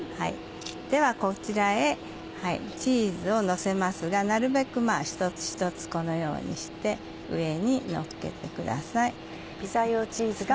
ではこちらへチーズをのせますがなるべく一つ一つこのようにして上にのっけてください。